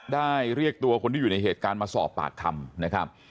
เรียกตัวคนที่อยู่ในเหตุการณ์มาสอบปากคำนะครับ